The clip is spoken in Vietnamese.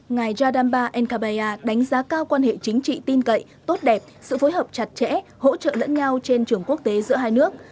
ngài yadamba ncaya đánh giá cao quan hệ chính trị tin cậy tốt đẹp sự phối hợp chặt chẽ hỗ trợ lẫn nhau trên trường quốc tế giữa hai nước